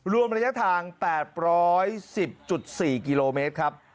รวมระยะทาง๘๑๐๔กิโลเมตรครับ